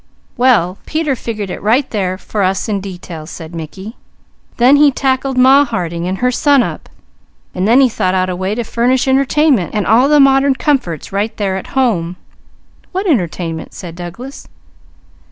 "Well Peter figured it right there for us in detail," said Mickey. "Then he tackled Ma Harding and her sunup, and then he thought out a way to furnish entertainment and all the modern comforts right there at home." "What entertainment?" said Douglas.